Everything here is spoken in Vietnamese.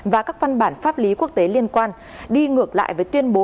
và các văn bản pháp lý quốc tế liên quan đi ngược lại với tuyên bố